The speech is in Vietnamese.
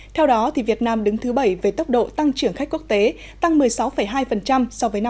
theo đó việt nam đứng thứ bảy về tốc độ tăng trưởng khách quốc tế tăng một mươi sáu hai so với năm hai nghìn một mươi tám